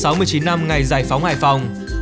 năm ngày giải phóng hải phòng